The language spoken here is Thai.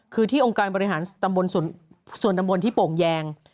คือที่องค์การบริหารตำบลส่วนตำบลที่โป่งแยง